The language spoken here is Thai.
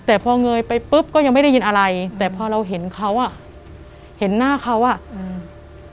แต่พอเงยไปปุ๊บก็ยังไม่ได้ยินอะไรแต่พอเราเห็นเขาอ่ะเห็นหน้าเขาอ่ะอืม